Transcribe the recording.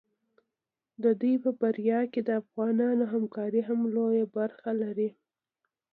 د دوی په بریا کې د افغانانو همکاري هم لویه برخه لري.